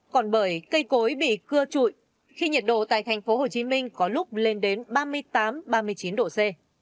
còn bởi cây cối bị cưa trụi khi nhiệt độ tại thành phố hồ chí minh có lúc lên đến ba mươi tám ba mươi chín độ c